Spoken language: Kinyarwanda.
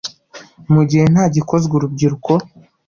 Mu gihe nta gikozwe urubyiruko